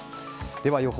では、予報。